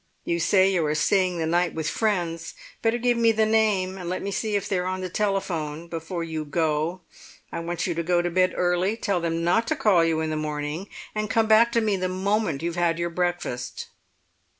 You say you are staying the night with friends; better give me the name and let me see if they're on the telephone before you go. I want you to go to bed early, tell them not to call you in the morning, and come back to me the moment you've had your breakfast."